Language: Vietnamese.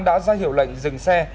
đã ra hiểu lệnh dừng xe